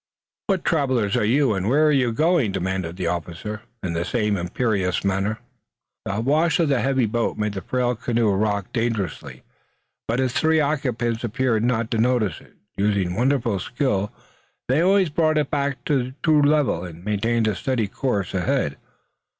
"What travelers are you and where are you going?" demanded the officer, in the same imperious manner. The wash of the heavy boat made the frail canoe rock perilously, but its three occupants appeared not to notice it. Using wonderful skill, they always brought it back to the true level and maintained a steady course ahead.